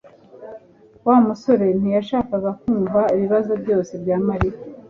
Wa musore ntiyashakaga kumva ibibazo byose bya Mariya